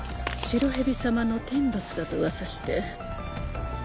白蛇様の天罰だと噂して。